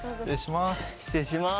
失礼します。